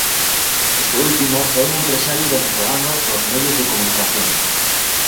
Este último é un empresario venezolano dos medios de comunicación.